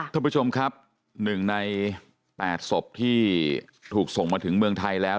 ท่านผู้ชมครับ๑ใน๘ศพที่ถูกส่งมาถึงเมืองไทยแล้ว